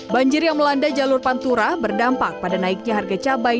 banjir yang melanda jalur pantura berdampak pada naiknya harga cabai